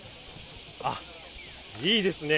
あっ、いいですね。